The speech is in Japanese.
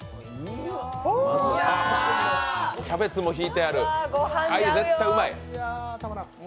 キャベツもひいてある、あれ絶対うまい。